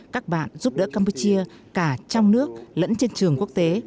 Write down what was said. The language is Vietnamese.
các bạn giúp đỡ campuchia cả trong nước lẫn trên trường quốc tế